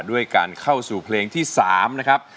ด้วยการเข้าสู่เพลงที่๓นะครับ